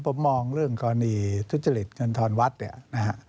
ผมมองเรื่องกรณีทุจฤทธิ์เงินฒนวัตน์